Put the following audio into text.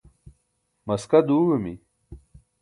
maska duuẏimi